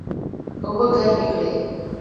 اوبه ګرمې کړئ